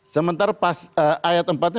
sementara ayat empat